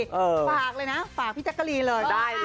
ฝากเลยนะฝากพี่แจ๊กกะรีนเลย